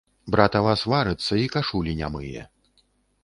Братава сварыцца і кашулі не мые.